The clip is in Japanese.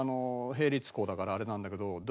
併設校だからあれなんだけど。